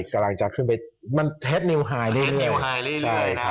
กำลังจะขึ้นไปเฮ็ดนิวไฮได้เรื่อยนะ